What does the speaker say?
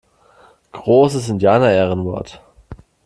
Großes Indianerehrenwort!